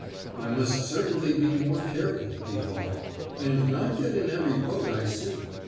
"I must certainly be more careful," he thought, "and not get in every boat I see.